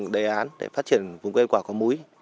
đề án để phát triển vùng cây ăn quả có muối